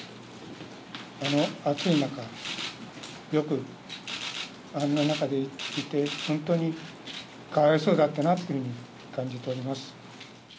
暑い中、よくあんな中でいて、本当にかわいそうだったなっていうふうに感じております。